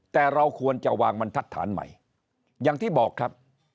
แต่เราควรจะวางบรรทัศน์ใหม่อย่างที่บอกครับ